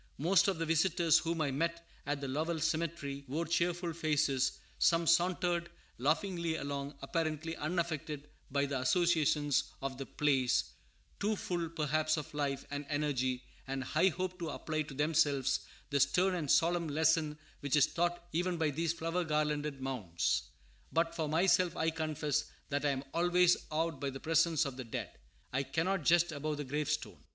Most of the visitors whom I met at the Lowell cemetery wore cheerful faces; some sauntered laughingly along, apparently unaffected by the associations of the place; too full, perhaps, of life, and energy, and high hope to apply to themselves the stern and solemn lesson which is taught even by these flower garlanded mounds. But, for myself, I confess that I am always awed by the presence of the dead. I cannot jest above the gravestone.